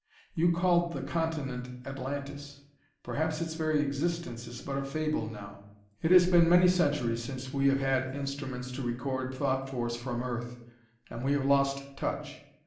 "You called the continent Atlantis. Perhaps its very existence is but a fable now: it has been many centuries since we have had instruments to record thought force from Earth, and we have lost touch.